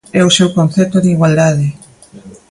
É o seu concepto de igualdade.